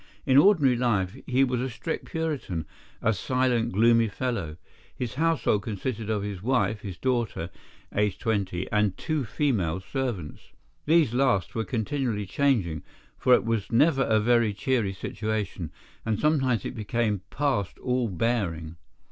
In ordinary life, he was a strict Puritan—a silent, gloomy fellow. His household consisted of his wife, his daughter, aged twenty, and two female servants. These last were continually changing, for it was never a very cheery situation, and sometimes it became past all bearing.